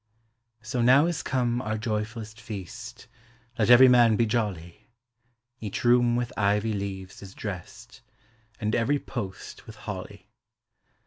So now is come our joyful'st feast; Let every man be jolly; Each room with ivy leaves is drest, And every post with holly.